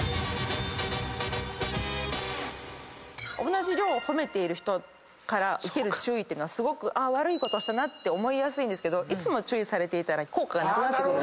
同じ量を褒めている人から受ける注意っていうのはすごく悪いことしたなと思いやすいけどいつも注意されていたら効果がなくなってくる。